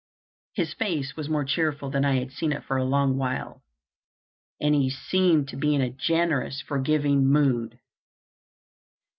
His face was more cheerful than I had seen it for a long while, and he seemed to be in a generous, forgiving mood.